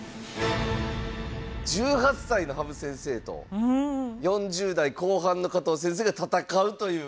１８歳の羽生先生と４０代後半の加藤先生が戦うという。